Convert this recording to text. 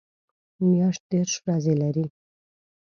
میاشت دېرش ورځې لري